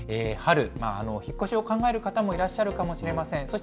春、引っ越しを考える方もいらっしゃるかもしれません。